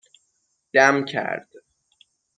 دم کرد